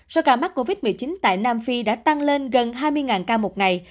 số ca mắc covid một mươi chín tại nam phi đã tăng lên gần hai mươi ca một ngày